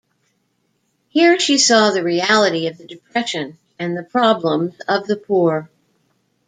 Here she saw the reality of the Depression and the problems of the poor.